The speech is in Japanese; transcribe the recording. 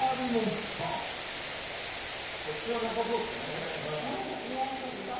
果たしてないですねこっちは。